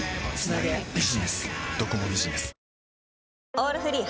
「オールフリー」